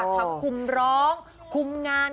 ทำคุมร้องคุมงาน